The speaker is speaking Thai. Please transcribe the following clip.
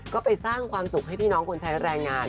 ก็ไปสร้างความสุขให้พี่น้องคนใช้แรงงาน